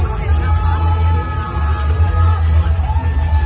มันเป็นเมื่อไหร่แล้ว